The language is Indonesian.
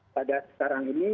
pada sekarang ini